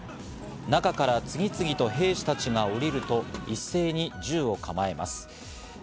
中から次々と兵士たちが降りると一斉に銃を構えます。